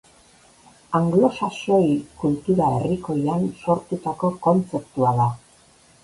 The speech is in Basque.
Anglosaxoi kultura herrikoian sortutako kontzeptua da.